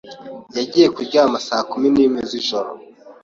Yagiye kuryama saa kumi n'imwe z'ijoro.